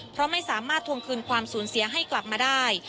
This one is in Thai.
เพราะไม่สามารถทวงคืนความสูญเสียให้กลับมาได้